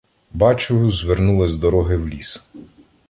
Бачу — звернули з дороги в ліс.